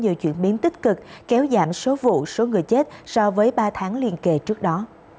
nhiều chuyển biến tích cực kéo giảm số vụ số người chết so với ba tháng liên kề trước đó